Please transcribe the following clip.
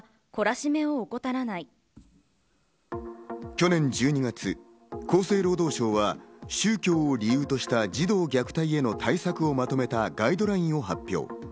去年１２月、厚生労働省は宗教を理由とした児童虐待への対策をまとめたガイドラインを発表。